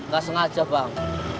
gak sengaja bang